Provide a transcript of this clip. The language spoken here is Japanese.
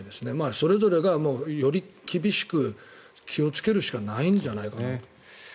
それぞれがより厳しく気をつけるしかないんじゃないかんと。